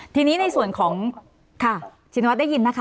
ทีนี้ในส่วนของค่ะชินวัฒนได้ยินนะคะ